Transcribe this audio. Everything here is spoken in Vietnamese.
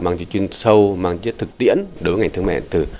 mang những chuyên sâu mang những chuyên thực tiễn đối với ngành thương mại điện tử